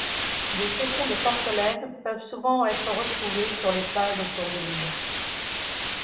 Des tessons de porcelaine peuvent souvent être retrouvés sur les plages autour de l'île.